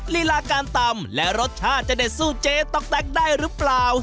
ลีลาการตำและรสชาติจะเด็ดสู้เจ๊ต๊อกแต๊กได้หรือเปล่า